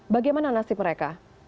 bagaimana nasib mereka